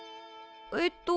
えっと。